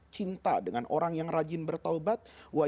cinta dengan orang yang rajin bertaubat